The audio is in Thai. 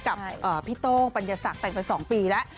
กับพี่โต้งปัญญาศักดิ์แต่งไป๒ปีแล้ว